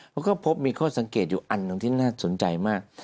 แล้วก็พบมีข้อสังเกตอยู่อันที่น่าสนใจมาก